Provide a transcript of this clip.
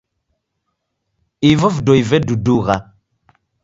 Ivo vidoi vedudugha.